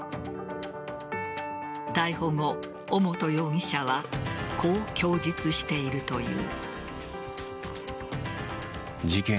逮捕後、尾本容疑者はこう供述しているという。